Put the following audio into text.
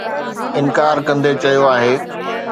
انڪار ڪندي چيو آهي